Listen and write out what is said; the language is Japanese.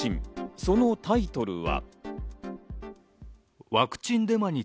そのタイトルは。